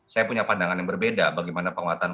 saya punya pandangan yang berbeda bagaimana penguatan